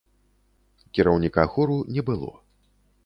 Кіраўніка хору не было.